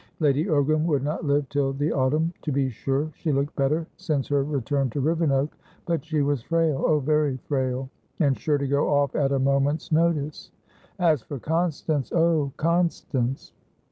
Lady Ogram would not live till the autumn. To be sure, she looked better since her return to Rivenoak, but she was frail, oh very frail, and sure to go off at a moment's notice. As for Constanceoh, Constance!